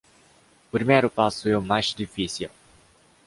O primeiro passo é o mais difícil.